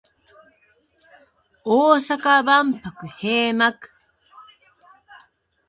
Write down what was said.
大阪万博閉幕